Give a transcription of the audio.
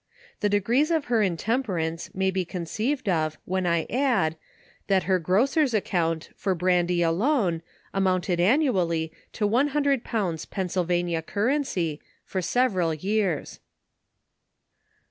— The degrees of her intemperance may be conceived of, when I add, that her grocer's aceompt for brandy alone, amounted annually, to one hundred pounds, Pennsylvania currency, for several years.